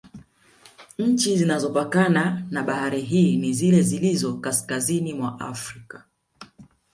Nchi zinazopakana na bahari hii ni zile zilizo kaskazini Mwa frika